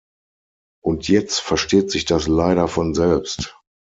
Und jetzt versteht sich das leider von selbst.